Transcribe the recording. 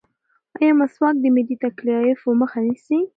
ایا مسواک د معدې د تکالیفو مخه نیسي؟